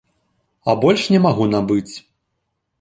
А больш не магу набыць.